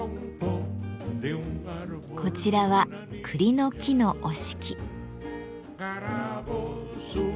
こちらは栗の木の折敷。